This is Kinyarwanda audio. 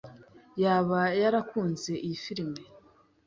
yaba yarakunze iyi firime.